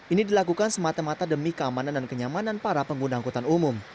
ini dilakukan semata mata demi keamanan dan kenyamanan para pengguna angkutan umum